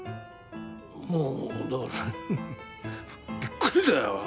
もうだからびっくりだよ。